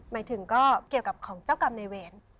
หมายถึงก็เกี่ยวกับของเจ้ากรรมในเวร